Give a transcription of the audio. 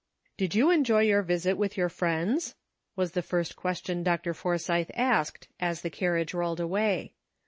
*' Did you enjoy your visit with your friends ?" was the first question Dr. Forsythe asked, as the carriage rolled away.